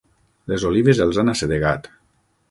Les olives els han assedegat.